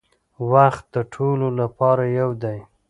وخت د ټولو لپاره یو دی.